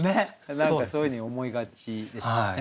何かそういうふうに思いがちですよね。